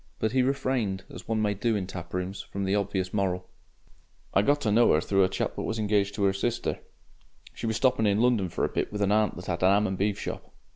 But he refrained, as one may do in taprooms, from the obvious moral. "I got to know 'er through a chap what was engaged to 'er sister. She was stopping in London for a bit with an aunt that 'ad a 'am an' beef shop.